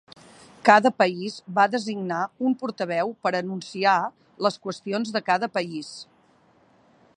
Cada país va designar un portaveu per anunciar les qüestions de cada país.